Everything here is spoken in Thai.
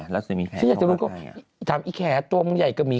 แล้วจะมีแค่เฉิดดู